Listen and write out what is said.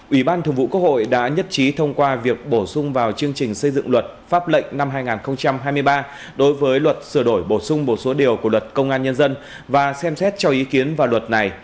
ủy ban thường vụ quốc hội đã nhất trí thông qua việc bổ sung vào chương trình xây dựng luật pháp lệnh năm hai nghìn hai mươi ba đối với luật sửa đổi bổ sung một số điều của luật công an nhân dân và xem xét cho ý kiến vào luật này